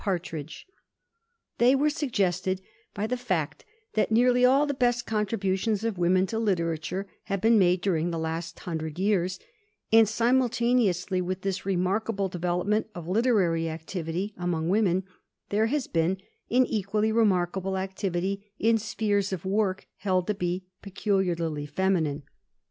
Partridge. They were suggested by the fact that nearly all the best contributions of women to literature have been made during the last hundred years, and simultaneously with this remarkable development of literary activity among women, there has been an equally remarkable activity in spheres of work held to be peculiarly feminine.